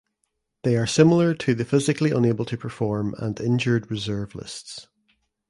They are similar to the physically unable to perform and injured reserve lists.